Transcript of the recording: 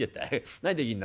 何できんの？